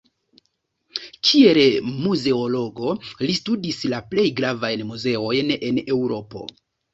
Kiel muzeologo li studis la plej gravajn muzeojn en Eŭropo.